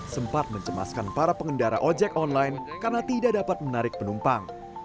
sempat mencemaskan para pengendara ojek online karena tidak dapat menarik penumpang